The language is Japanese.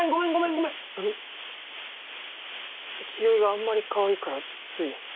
あのき清居があんまりかわいいからつい。